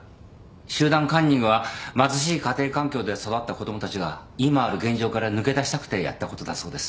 集団カンニングは貧しい家庭環境で育った子供たちが今ある現状から抜け出したくてやったことだそうです。